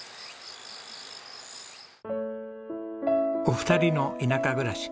お二人の田舎暮らし。